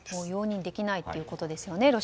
容認できないということですね